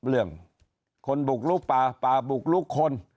เรื่องคนบุกลุกป่าป่าบุกลุกคน